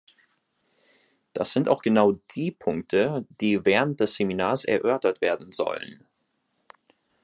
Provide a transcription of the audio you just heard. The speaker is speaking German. Das sind auch genau die Punkte, die während des Seminars erörtert werden sollen.